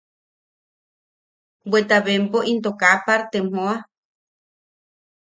Bweta bempo into kaa partem joa.